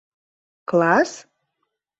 Класс?